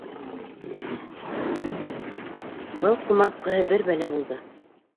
Был ҡомартҡыһы бер бәлә булды!